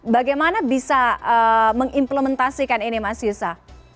bagaimana bisa mengimplementasikan ini mas yusa